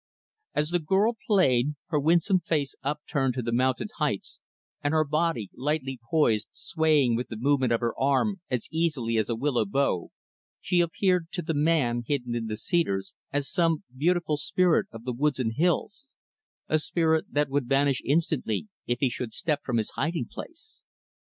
As the girl played, her winsome face upturned to the mountain heights and her body, lightly poised, swaying with the movement of her arm as easily as a willow bough, she appeared, to the man hidden in the cedars, as some beautiful spirit of the woods and hills a spirit that would vanish instantly if he should step from his hiding place.